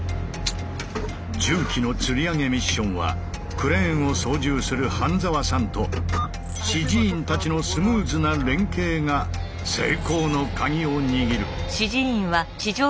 重機のつり上げミッションはクレーンを操縦する半澤さんと指示員たちのスムーズな連携が成功のカギを握る。